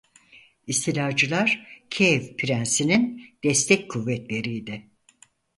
İstilacılar Kiev prensinin destek kuvvetleriydi.